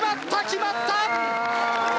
決まった！